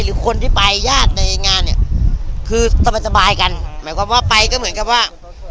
หรือคนที่ไปญาติในงานเนี่ยคือสบายสบายกันหมายความว่าไปก็เหมือนกับว่า